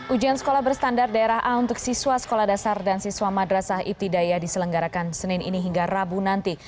ujian sekolah berstandar daerah a untuk siswa sekolah dasar dan siswa madrasah ibtidaya diselenggarakan senin ini hingga rabu nanti